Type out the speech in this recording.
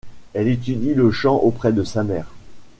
Elle étudie le chant auprès de sa mère.